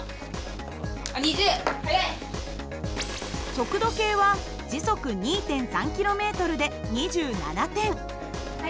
速度計は時速２．３ｋｍで２７点。